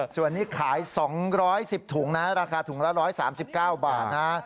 ส่วนนี้ขาย๒๑๐ถุงนะราคาถุงละ๑๓๙บาทนะ